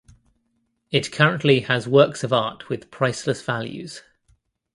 It currently has works of art with priceless values.